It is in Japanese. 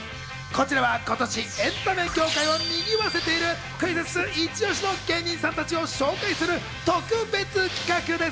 こちらは今年エンタメ業界をにぎわせているクイズッス、イチ推しの芸人さんたちを紹介する特別企画。